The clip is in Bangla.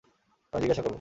আমি জিজ্ঞাসা করবো।